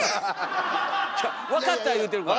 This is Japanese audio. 分かった言うてるから。